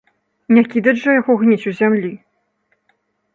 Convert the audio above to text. Не кідаць жа яго гніць у зямлі?